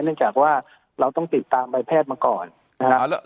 เนื่องจากว่าเราต้องติดตามใบแพทย์มาก่อนนะครับ